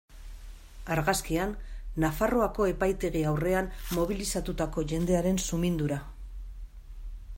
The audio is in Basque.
Argazkian, Nafarroako epaitegi aurrean mobilizatutako jendearen sumindura.